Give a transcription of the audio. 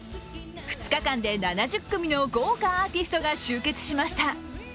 ２日間で７０組の豪華アーティストが集結しました。